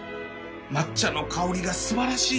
抹茶の香りが素晴らしい